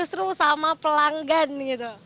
justru sama pelanggan gitu